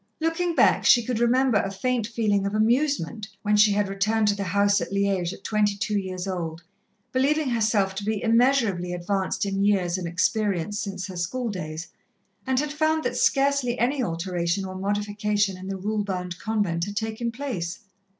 Looking back, she could remember a faint feeling of amusement when she had returned to the house at Liège at twenty two years old, believing herself to be immeasurably advanced in years and experience since her schooldays, and had found that scarcely any alteration or modification in the rule bound convent had taken place.